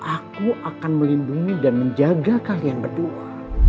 aku akan melindungi dan menjaga kalian berdua